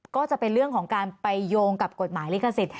ก็จะเป็นเรื่องของการไปโยงกับกฎหมายลิขสิทธิ